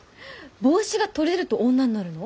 帽子が取れると女になるの？